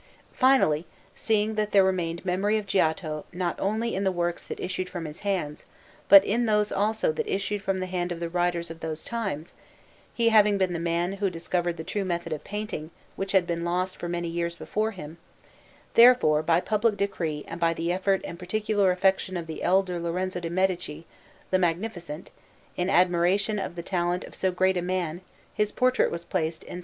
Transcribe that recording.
Finally, seeing that there remained memory of Giotto not only in the works that issued from his hands, but in those also that issued from the hand of the writers of those times, he having been the man who recovered the true method of painting, which had been lost for many years before him; therefore, by public decree and by the effort and particular affection of the elder Lorenzo de' Medici, the Magnificent, in admiration of the talent of so great a man his portrait was placed in S.